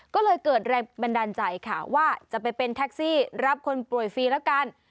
ก็เลยเกิดแรงบันดาลใจค่ะว่าจะไปเป็นแท็กซี่รับคนป่วยฟรีแล้วกัน